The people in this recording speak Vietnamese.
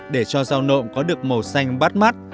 để cho rau nộm có được màu xanh bát mắt